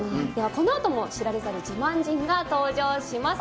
このあとも知られざる自慢人が登場します